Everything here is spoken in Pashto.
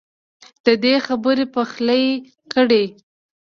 ددې خبر پخلی کړی